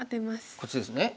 こっちですね。